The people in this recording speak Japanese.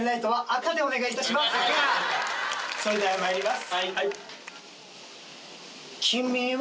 それではまいります。